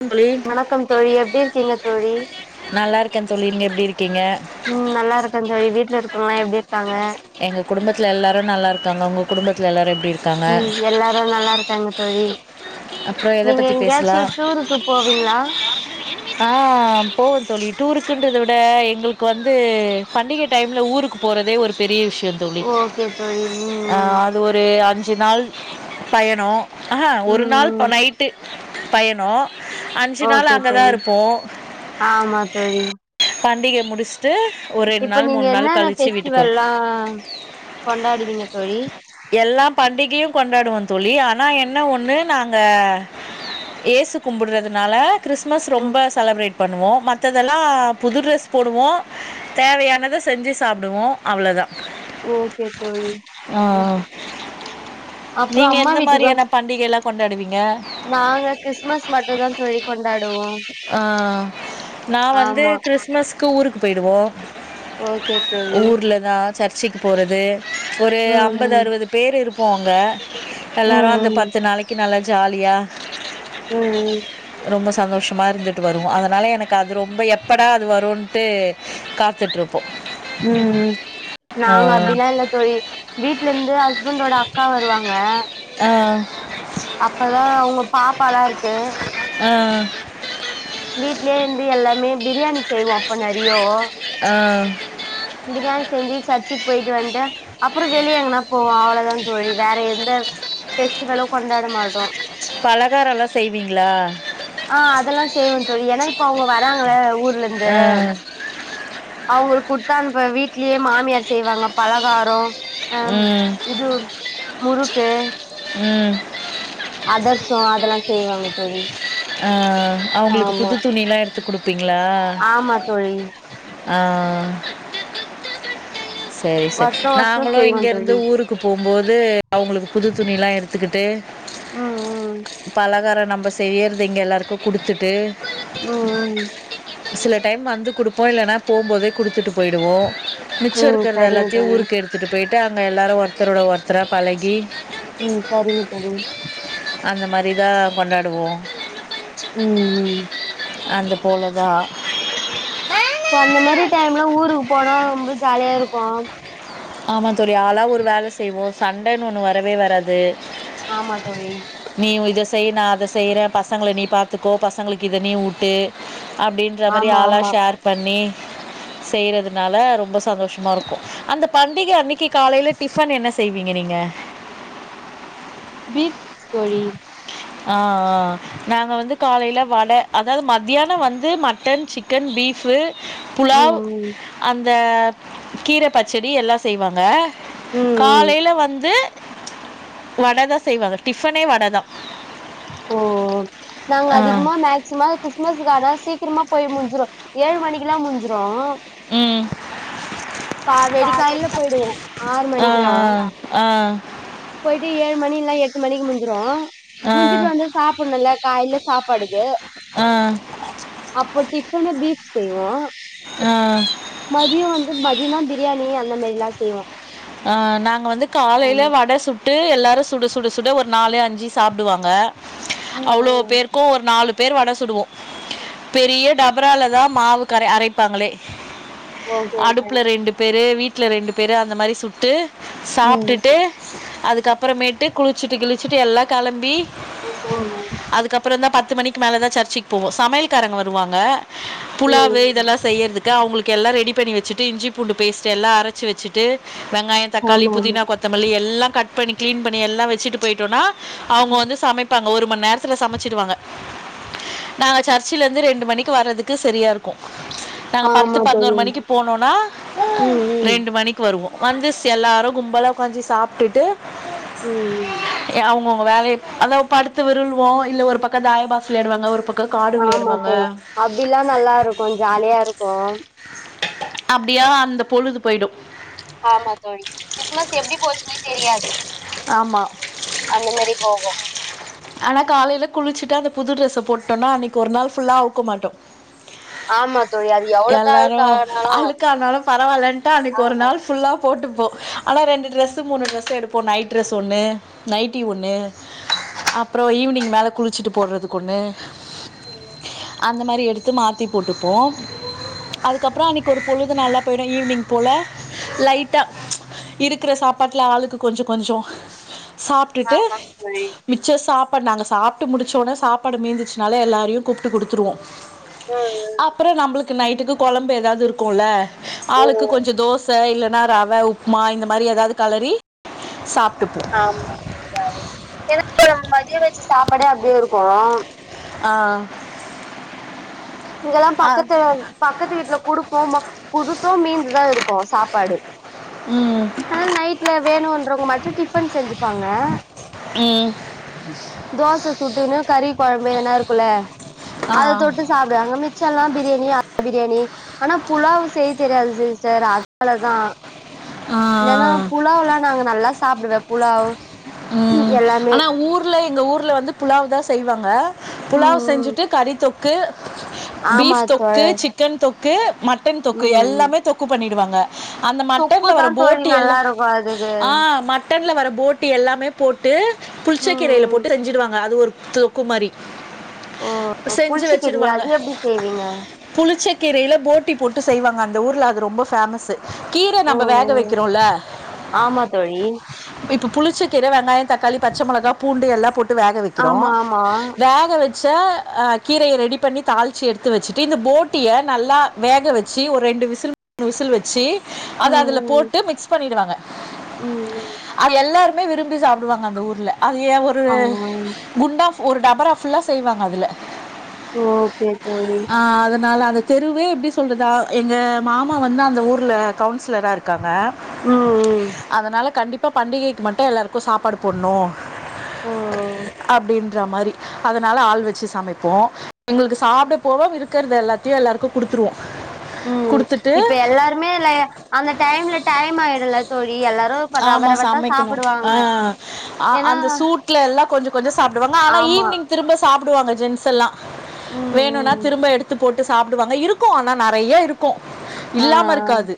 தோழி வணக்கம் தோழி எப்டி இருக்கீங்க தோழி நல்லா இருக்கேன் தோழி நீங்க எப்டி இருக்கீங்க ம் நல்லா இருக்க தோழி வீட்ல இருக்றவுங்குளா எப்டி இருக்காங்க எங்க குடும்பத்துல எல்லாரு நல்லா இருக்காங்க உங்க குடும்பத்துல எல்லாரு எப்டி இரு ம் எல்லாரு நல்லா இருக்காங்க தோழி அப்றோ எத நீங்க பத்தி பேசலா எங்யாச்சு டூருக்கு போவீங்ளா ஆ போவ தோழி டூருக்குன்றத விட எங்களுக்கு வந்து பண்டிகை டைம்ல ஊருக்கு போறதே ஒரு பெரிய விஷ்யந் ஓகே தோழி ம் ம் ஒரு அஞ்சு நாள் பயணோ ஆஹ ஒரு ம் நாள் ம் நைட்டு பயணோ அஞ்சு நாள் ஓகே அங்க தா தோழி இருப்போ ஆமா தோழி பண்டிக முடிஸ்ட்டு இப்ப நீங்க என்னன்ன ஃபெஸ்டிவல்லா கொண்டாடுவீங்க தோழி எல்லா பண்டிகையு கொண்டாடுவோ தோழி ஆனா என்ன ஒன்னு நாங்க ஏசு கும்புட்றதுனால கிறிஸ்மஸ் ம் ரொம்ப செலப்ரேட் பண்ணுவோ மத்ததெல்லா புது ட்ரெஸ் போடுவோ தேவையானத செஞ்சு சாப்டுவோ அவுளதா ஓகே தோழி நா நீங்க எந்த வீட்டுக்கா மாரியான பண்டிகேலா கொண்டாடுவீங்க நாங்க கிறிஸ்மஸ் மட்டுதா தோழி கொண்டாடுவோ ஆ நா வந்து ஆமா கிறிஸ் மஸ்க்கு ஊருக்கு போய்டுவோ ஓகே தோழி ஊர்லதா சர்ச்சுக்கு போறது ஒரு அம் ம் பது பேர் இருப்போ அங்க ம் ம் எல்லாரு அந்த ம் பத்து நாளைக்கு நல்லா ஜாலியா ம் ம் ரொம்ப சந்தோஷமா இருந்துட்டு வருவோ அதனால எனக்கு அது ரொம்ப எப்படா அது வருன்ட்டு காத்துட்ரு ம் ம் நாங்க அப்டிலா இல்ல தோழி வீட்ல இருந்து ஹஸ்பண்டோட அக்கா வருவாங்க ஆ அப்பதா அவ்ங்க பாப்பாலா இருக்கு ஆ வீட்லய இருந்து எல்லாமே பிரியாணி செய்வோம் அப்ப நிறையோ ஆ பிரியாணி செஞ்சு சர்ச்சுக்கு போயிட்டு வந்துட்டு அப்புறம் வெளிய எங்கனா போவோம் அவ்வளவுதான் தோழி வேற எந்த பெஸ்டிவலோ கொண்டாட மாட்டோம் பலகாரம் எல்லாம் செய்வீங்களா ஆ அதெல்லாம் செய்வன் தோழி ஏன்னா இப்ப அவங்க வராங்கள ஊர்ல இருந்து ஆ, அவங்களுக்கு குடுத்தான்னுப்பனும் வீட்லயே மாமியார் செய்வாங்க பலகாரம் அ ம் இது முருக்கு ம் அ தெர்சம் அதெல்லாம் செய்வாங்க தோழி ஆ அவங்களுக்கு ஆமா புது துணி எல்லாம் எடுத்து கொடுப்பீங்களா ஆமா தோழி ஆ சரி சரி வருஷோ வருஷோ நாங்களும் செய்வோ இங்கேருந்து தோழி ஊருக்கு போம்போது அவங்களுக்கு புது துணில்லாம் எடுத்துக்கிட்டு ம் ம் பலகாரம் நம்ப செய்றது இங்கே எல்லாருக்கும் குடுத்துட்டு ம் ம் சில டைம் வந்து குடுப்போம் இல்லன்னா போகும்போதே குடுத்துட்டு போயிடுவோம் மிச்சம் ம் இருக்கிற சரிங்க எல்லாத்தையும் தோழி ஊருக்கு எடுத்துட்டு போயிட்டு அங்க எல்லாரும் ஒருத்தரோட ஒருத்தரா பழகி ம் சரிங்க தோழி அந்த மாறி தான் கொண்டாடுவோம் ம் ம் அந்த அவ்ளோதா அந்த மாறி டைம்ல ஊருக்கு போனா ரொம்ப ஜாலியா இருக்கும் ஆமா தோழி ஆளா ஒரு வேல செய்வோம் சண்டைன்னு ஒண்ணு வரவே வராது ஆமா தோழி நீ இத செய்ய நா அத செய்யறேன் பசங்கள நீ பாத்துக்கோ பசங்களுக்கு இத நீ ஊட்டு அப்படின்ற மாறி ஆமா ஆளா ஆமா ஷேர் பண்ணி செய்றதுனால ரொம்ப சந்தோஷமாக இருக்கும் பண்டிக அன்னைக்கு காலையில டிஃபன் என்ன செய்வீங்க நீங்க பீஃப் தோழி ஆ ஆ நாங்க வந்து காலைல வட அதாவது மத்தியானம் வந்து மட்டன் சிக்கன் பீஃப் ம் புலாவ் ம் அந்த கீர பச்சடி எல்லாம் செய்வாங்க ம் ம் காலையில வந்து வட தான் செய்வாங்க டிஃபனே வடதான் ஓ நாங்க ஆ. அதிகமா மேக்சிமா கிறிஸ்தமஸ்க்கான சீக்கிரமாய் போய் முடிஞ்சுரும் ஏழு மணிக்கெல்லாம் முடிஞ்சிரும் ம் வெடிக்காலைல போயிடுவோ ஆறு ஆ மணிக்குல்லா ஆ ஆ போயிட்டு ஏழு மணி இல்லான எட்டு மணிக்கு முடிஞ்சுரும் ஆ, முடிஞ்சிட்டு வந்து ஆ, சாப்பிடும்ல்ல காயில சாப்பாடுக்கு அப்போ டிபன்னு பீஃப் செய்வோ ஆ மதியம் வந்து பாதினா பிரியாணி அந்த மாறி எல்லா செய்வோ ஆ நாங்க வந்து காலையில ஆமா வட சுட்டு எல்லாரும் சுட சுட சுட ஒரு நாலு அஞ்சு சாப்பிடுவாங்க ம் அவ்ளோ ம் பேருக்கும் ஒரு நாலு பேர் வட சுடுவோ பெரிய டபரால தா மாவு கர அரைப் ப்பாங்களே ஓகே ஓகே அடுப்புல ரெண்டு பேரு வீட்ல ரெண்டு பேரு அந்த மாரி சுட்டு ம் சாப்டுட்டு அதுக்கப்பறமேட்டு குளிச்சுட்டு கிளிச்சுட்டு எல்லா கெளம்பி [unintelligible] அதுக்கப்பறந்தா பத்து மணிக்கி மேலதா சர்ஜ்சிக்கு போவோ சமையல்காரங்க வருவாங்க ம் புலாவு ம் இதெல்லா செ செய்யறதுக்கு அவங்களுக்கு எல்லா ரெடி பண்ணி வச்சுட்டு இஞ்சி பூண்டு பேஸ்ட் எல்லா அரச்சு வச்சுட்டு வெங்காய தக்காளி ஆமா ஆமா புதினா கொத்தமல்லி எல்லா கட் பண்ணி கிளீன் பண்ணி எல்லா வச்சுட்டு போயிட்டோனா அவுங்க ம். வந்து சமைப்பாங்க ஒரு மணி நேரத்துல சமச்சிடுவாங்க நாங்க சர்ச்சில இருந்து ரெண்டு மணிக்கு வர்றதுக்கு செரியா இருக்கு நாங்க பத்து ஆமா பதினோரு தோழி மணிக்கு போனோன்னா ம் ம் ரெண்டு மணிக்கு வருவோ வந்துச்சு எல்லாரு கும்பல உக்காஞ்சி சாப்ட்டுட்டு ம் ம் அவங்கவுங்க வேலைய அதாவ படுத்து விருள்வோ இல்ல ஒரு பக்க தாய பாஸ் வெளையாடுவாங்க ஒரு பக் ஆமா தோழி அப்டிலா நல்லா இருக்கு ஜாலியா இருக்கு அப்டியாக அந்த பொழுது போயிடு ஆமா தோழி கிறிஸ்மஸ் எப்டி போச்சுன்னே தெரியாது ஆமா அந்த மாரி போகு ஆனா காலையில குளிச்சுட்டு அந்த புது டிரஸ்ச போட்டோன்னா அன்னைக்கி ஒரு நாள் ஃபுல்லா அவுக்க மாட்ட ஆமா தோழி அது எவ்ளோ எல்லாரு நாளுக்கு ஆனாலு அழுக்க ஆனாலு பரவாயில்ன்ட்டு அன்னைக்கி ஒரு ஆமா நாள் ஃபுல்லா போட்டுப்போ ஆனா ரெண்டு டிரஸ் மூணுட்ரெஸ் எடுப்போ நைட் ட்ரெஸ் ஒன்னு நைட்டி ஒண்ணு அப்பறோ ஈவினிங் மேல குளிச்சுட்டு போடுறதுக்கு ஒண்ணு அந்த மாரி எடுத்து மாத்தி போட்டுப்போ அதுக்கப்றோ அன்னைக்கி ஒரு பொழு து நல்லா போயிடு ஈவினிங் போல லைட்டா இருக்கிற சாப்பாட்ல ஆளுக்கு கொஞ்ச கொஞ்சோ சாப் டுட்டு ஆமாங் தோழி மிச்ச சாப்பாடு நாங்க சாப்பிட்டு முடிச்சோனே சாப்பாடு மீந்துச்சுனால எல்லாரையு கூப்ட்டு குடுத்துருவோ ம் அப்பறம் நம்பளுக்கு நைட்டுக்கு கொழம்பு ஏதாவது இருக்குல்ல ம் ஆளுக்கு ம் கொஞ்ச தோஸ் ச இல்லைனா ரவ உப்மா இந்த மாரி ஏதாவது கலறி சாப்ட்டுபோ ஆமா [unintelligible] ஏனா நம்ம மதியம் வச்சு சாப்பாடே அப்டியே இருக்கு ஆ இங்கெல்லா ஆ பக்கத்த பக்கத்து வீட்ல குடுப்போமோ குடுத்து மீந்துதா இருக்கு சாப்பாடு ம் அதனால நைட்ல வேணுன்றவங்க மட்டு டிஃபன் செஞ்சுப்பாங்க ம் தோச சுட்டுன்னு கறி கொழம்பு எதனா இருக்குல்ல ஆ அத தொட்டு சாப்டுவாங்க மிச்சல்லா பிரியாணி ஆட் பிரியாணி ஆனா புலாவ் செய்ய தெரியாது சிஸ்டர் அதனாலதா இல்லனா ஆ புலாவ்ல்லா நாங்க நல்லா சாப்டுவே புலாவ் ம் எல்லாமே ஆனா ஊர்ல எங்க ஊர்ல வந்து புலாவ்தா செய்வாங்க ம் புலாவ் ம் செஞ்சுட்டு கறி தொக்கு ஆமா பீப் தொக்கு தோழர் சிக் கன் தொக்கு மட்டன் தொக்கு ம் ம் எல்லாமே தொக்கு பண்ணிடுவாங்க அந்த தொக்கு மட்டன்ல தா வர தோழி போட்டி நல்லா எல்லா இருக்கு அதுக்கு ஆ மட் மட்டன்ல வர போட்டி எல்லாமே போட்டு புளிச்ச ம் கீரைல ம் போட்டு செஞ்சிடுவாங்க அது ஒரு து குமரி ஓ புளிச்ச கீரையா அது எப்டி செய்வீங்க புளிச்சக்கீரைல போட்டி போட்டு செய்வாங்க அந்த ஊர்ல அது ரொம்ப ஃபேமஸ்ஸு கீர நம்ம ம் வேக ம் வெக்கிறோல்ல ஆமா தோழி புளிச்சக்கீர வெங்காய தக்காளி பச்சை மெளகா பூண்டு எல்லா போட்டு வேக வெக்கிறோ ஆமா ஆமா வேக வெ ச்ச அ கீரைய ரெடி பண்ணி தாளிச்சி எடுத்து வச்சுட்டு இந்த போட்டிய நல்லா வேக வச்சு ஒரு ரெண்டு விசில் விசில் வச்சு அத ம் அதுல ம் போட்டு மிக்ஸ் பண்ணிடுவாங்க ம் ம் அது எல்லாருமே விரும்பி சாப்பிடுவாங்க அந்த ஊர்ல அது ஏ ஒரு ஆ குண்டாஃப் ஒரு டபரா ஃபுல்லா செய்வாங்க அதுல ஓகே தோழி அ அதனால அந்த தெருவே எப்டி சொல்றது எங்க மாமா வந்து அந்த ஊரில கவுன்சிலரா இருக்காங்க ம் ம் அதனால கண்டிப்பா பண்டிகைக்கு மட்டு எல்லாருக்கு சாப்பாடு போடணு ஓ அப்டின்ற மாரி அதனால ஆள் வெச்சு சமைப்போ எங்களுக்கு சாப்ட போவ இருக்கறது எல்லாத்தயு எல்லாருக்கு குடுத்துருவோ ம் இப்ப எல்லாருமே ல அந்த டைம்ல டைம் ஆயிடல தோழி எல்லாரு ரவ ஆமா ரவத்தா சமைக்கணு சாப்புடுவாங்க ஆ அ ஏன்னா அந்த சூட் டுல எல்லா கொஞ்சோ கொஞ்சோ சாப்பிடுவங்க ஆனா ஆமா ஈவ்னிங் திரும்ப சாப்படுவாங்க ஜென்ஸ்ல்லா ம் வேணுனா ம் திரும்ப எடுத்து போட்டு சாப்பிடுவாங்க இருக்கு ஆனா நெறைய இரு கு ஆ இல்லாம ஆ இருக்காது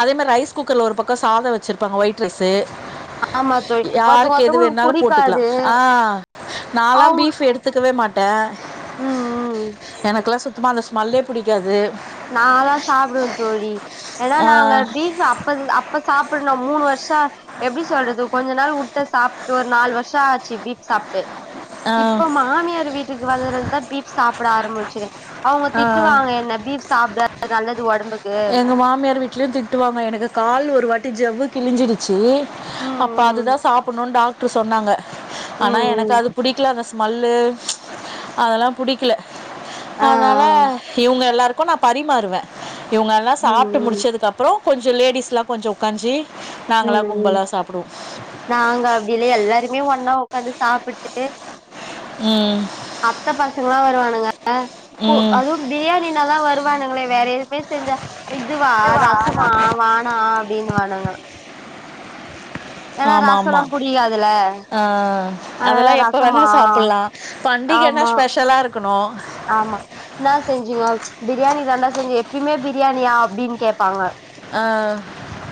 அதே மாரி ரைஸ் குக்கர்ல ஒரு பக்கோ சாதோ வச்சிருப்பாங்க ஒயி ட் ரைஸு ஆமா தோழி ஒருத்தங்க யாருக்கு எது ஒருத்தவங்களுக்கு வேணாலு போட்டுக்கலா புடிக்காது ஆ நாலாம் அவங்க பீப் எடுத்து எடுத்துகவே மாட்டே ம் ம் எனக்கெல்லா சுத்தமா அந்த ஸ்மெல்லே புடிக்காது நாலா சாப்பிடவே தோழி ஏனா ஆ நாங்க பீஃப் அப்ப அப் ப சாப்பிடணு மூணு வருஷ எப்டி சொல்றது கொஞ்ச நாள் வுட்ட சாப்பிட்டு ஒரு நால் வருஷ ஆச்சு பீப் சாப்பிட்டு ஆ இப்ப மாமியார் வீட்டுக்கு வந்தருந்தா பீப் சாப்பிட ஆரம்பிச்சே அவ்ங்க ஆ திட்டுவாங்க என்ன பீப் சாப்பிடது நல்லது ஒடம்புக்கு எங்க மாமியார் வீட்லயு திட்டுவாங்க எனக்கு கால் ஒரு வாட்டி ஜவ்வு கிழிஞ்சிடுச்சு அப்ப ம் அதுதா சாப்பிடணு டாக்டர் சொன்னாங்க ம் ஆனா ம் எனக்கு ம் அது பிடிக்கல அந்த ஸ்மெல்லு அதெல்லா புடிக்கல ஆ ஆ அதனால இவங்க எல்லாருக்கு நா பரிமாறுவே இவங்கெல்லா ம் சாப்பிட்டு ம் ம் முடிச்சதுக்கப்புற கொஞ்ச லேடீஸ்லா கொஞ்சோ உகாஞ்சு ம் ம் நாங்க அப்டில்ல எல்லாருமே ஒன்னா உக்காந்து சாப்பிட்டு எ ம் அத்த பசங்கல்லா வருவானுங்க கு ம் அதுவு பிரியாணினாதா வருவானுங்களே வேற எதுவுமே செஞ்சா இதுவா ரசமா வேனா அப்டின்னு வானுங்க ஏனா ஆமா ரசோலா ஆமா புடிக்காதுல ஆ அதனால அதெல்லா எப்ப ரசமா வேணா சாப்பிடலா பண்டிகன்னா ஆமா ஸ்பெஷலா இருக்கணு ஆமா என்னா செஞ்சுங்கோ பிரியாணி தா டா செஞ்சே எப்பயுமே பிரியாணியா அப்டின்னு கேப்பாங்க ஆ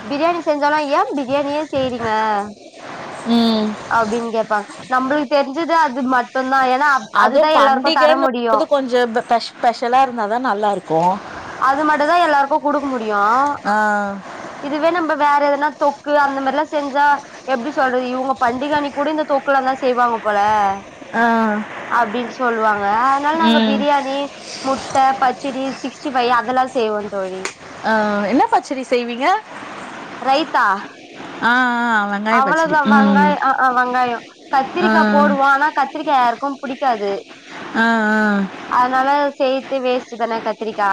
பிரியாணி செஞ்சாலு ஏ பிரியாணியே செய்றீங்க ம் அப்டின்னு கேப்பாங்க நம்மளுக்கு தெரிஞ்சது அது மட்டுதா ஏன்னா அதுதா எல்லாருக்கு தர முடியு ஸ்பெஷ ஸ்பெஷலா இருந்தாதா நல்லாருக் போ அது மட்டு தா எல்லாருக்கு குடுக்க முடியு ஆ இதுவே நம்ப வேற எதுனா தொக்கு அந்த மாறில்லா செஞ்சா எப்டி சொல்றது இவுங்க பண்டிகன்னைக்கு கூட இந்த தொக்கலா தா செய்வாங்க போல ஆ அப்டின்னு சொல்லுவாங்க அதனால நாங்க ம் பிரியாணி முட்ட பச்சடி சிக்ஸ்டி ஃபைவ் அதெல்லா செய்வோ தோழி ஆ என்னா பச்சடி செய்வீங்க ரைத்தா ஆ ஆ அவே அவ்ளோதா வெங்காயோ ஆ ஆ வெங்காயோ ஆ கத்ரிக்கா போடுவோ ஆனா கத்ரிக்கா யாருக்கு புடிக்காது ஆ ஆ அதனால செய்த்தே வேஸ்ட்டு தான கத்திரிக்கா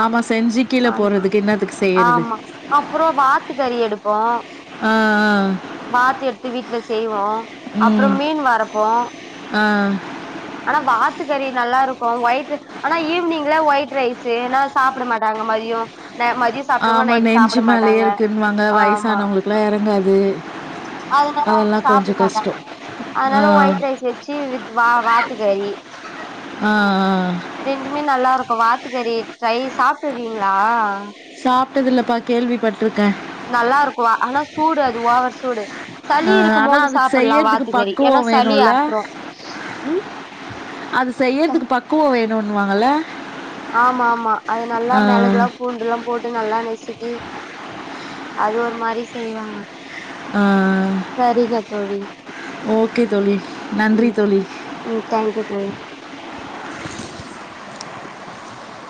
ஆமா செஞ்சு கீழ போறதுக்கு இன்னாதுக்கு செய்றது அப்பறோ வாத்து கறி எடுப்போ ஆ ஆ வாத்து எடுத்து வீட்ல செய்வோ ஆ அப்பறோ ம் மீன் வறப்போ ஆ ஆனா வாத்துக்கறி நல்லா இருக்கு ஒயிட்ர ஆனா ஈவினிங்ல ஒயிட் ரைஸு ஏனா சாப்ட மாட்டாங்க மதியோ நா மதியோ ஆமா நெஞ்சு மேலயே இருக்குன்னுவாங்க ஆமா வயசானவங்களுக்லா எறங்காது அதனால அவுங்க அதெல்லாம் சாப்ட கொஞ்சம் மாட்டாங்க கஷ்டம் ஆ அதனால ஒயிட் ரைஸ் வச்சு வித் வா வாத்துக்கறி ஆ ஆ ரெண்டுமே நல்லா இருக்கு வாத்துக்கறி ஃப்ரை சாப்ட்ருக்கீங்ளா சாப்ட்டதுல்லப்பா கேள்விப்பட்டிருக்கே நல்லா இருக்கு ஆனா சூடு அது ஓவர் சூடு ஆ, சளி ஆனா இருக்கம்போது அதுக்கு சாப்பில்லா செய்யறதுக்கு வாத்துக்கறி ஏன்னா பக்குவம் சளி வேணும்ல அத்துறு ம் அது செய்றதுக்கு பக்குவோ வேணுனுவாங்கல ஆமா ஆமா அது நல்லா மெளகுலா ஆ பூண்டுல்லா போட்டு நல்லா நெசுக்கி அது ஒரு மாறி செய்வாங்க ஆ சரிங்க தோழி ஓகே தோழி நன்றி ம் தோழி ம் தேங்க் யூ தோழி